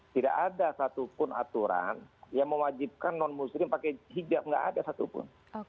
tidak ada satupun aturan yang mewajibkan non muslim pakai hijab tidak ada satupun